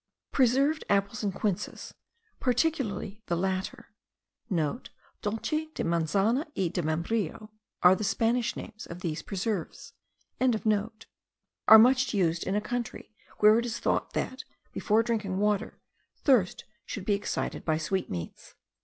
Preserved apples and quinces, particularly the latter,* (* "Dulce de manzana y de membrillo," are the Spanish names of these preserves.) are much used in a country where it is thought that, before drinking water, thirst should be excited by sweetmeats.